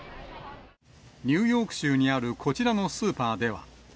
ニューヨーク州にあるこちらのスーパーでは。